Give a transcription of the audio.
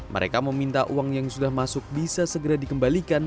mereka meminta uang yang sudah masuk bisa segera dikembalikan